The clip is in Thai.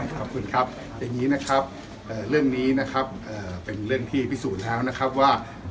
ขอบคุณครับอย่างนี้นะครับเรื่องนี้นะครับเป็นเรื่องที่พิสูจน์แล้วนะครับว่า